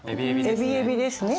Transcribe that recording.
エビエビですね。